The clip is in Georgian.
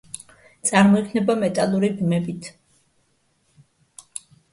წარმოიქმნება მეტალური ბმებით.